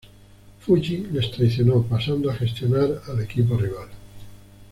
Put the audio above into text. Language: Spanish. Fuji les traicionó, pasando a gestionar al equipo rival.